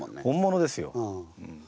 本物ですよ。